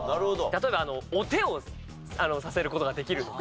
例えば「お手」をさせる事ができるとか。